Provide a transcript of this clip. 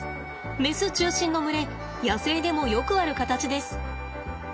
メス中心の群れ野生でもよくある形です。